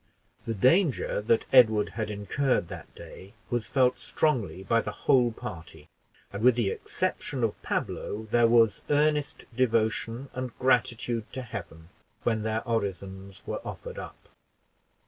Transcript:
The danger that Edward had incurred that day was felt strongly by the whole party; and, with the exception of Pablo there was earnest devotion and gratitude to Heaven when their orisons were offered up.